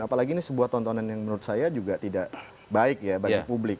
apalagi ini sebuah tontonan yang menurut saya juga tidak baik ya bagi publik